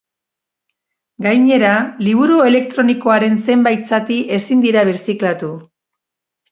Gainera, liburu elektronikoaren zenbait zati ezin dira birziklatu.